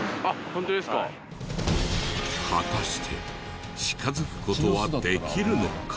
果たして近づく事はできるのか？